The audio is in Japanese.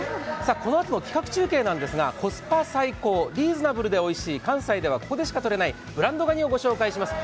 このあとの企画中継なんですが、コスパ最高、リーズナブルでおいしい、関西ではここでしか食べられないブランドがにをご紹介します